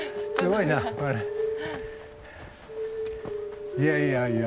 いやいやいや。